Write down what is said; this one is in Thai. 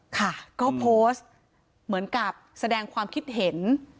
ค่ะก็โพสต์เหมือนกับแสดงความคิดเห็น